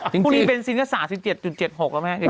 พรุ่งนี้เบนซินก็๓๗๗๖แล้วแม่